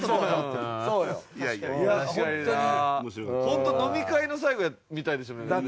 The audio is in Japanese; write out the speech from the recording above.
本当飲み会の最後みたいですよね。